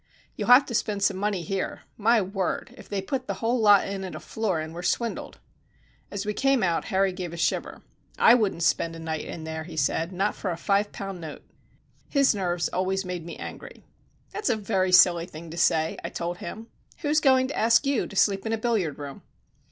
"You'll have to spend some money here. My word, if they put the whole lot in at a florin we're swindled." As we came out Harry gave a shiver. "I wouldn't spend a night in there," he said, "not for a five pound note." His nerves always made me angry. "That's a very silly thing to say," I told him. "Who's going to ask you to sleep in a billiard room?"